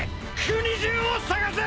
国中を捜せ！